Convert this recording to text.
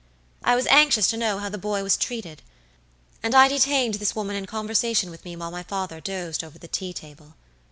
"I was anxious to know how the boy was treated, and I detained this woman in conversation with me while my father dozed over the tea table.